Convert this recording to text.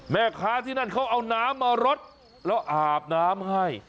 แม่ค้าที่นั่นเขาเอาน้ำมารดแล้วอาบน้ำให้